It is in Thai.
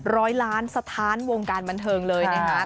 ร้อยล้านสถานวงการบันเทิงเลยนะคะ